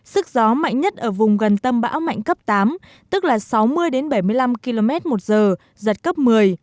sức gió mạnh nhất ở vùng gần tâm bão mạnh cấp tám tức là sáu mươi đến bảy mươi năm km một giờ giật cấp một mươi